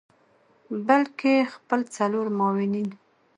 بلکه خپل څلور معاونین